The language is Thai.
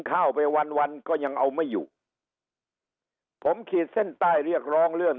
เข้าไปวันวันก็ยังเอาไม่อยู่ผมขีดเส้นใต้เรียกร้องเรื่อง